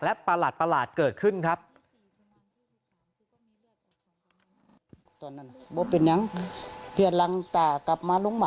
และประหลาดเกิดขึ้นครับ